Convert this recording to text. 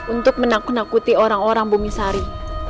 untuk menakuti orang orang bumisari